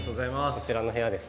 こちらの部屋ですね。